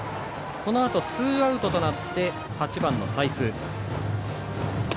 このあとツーアウトとなって８番の才須。